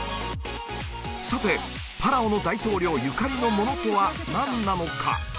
さてパラオの大統領ゆかりのものとは何なのか？